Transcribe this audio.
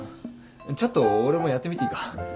ちょっと俺もやってみていいか？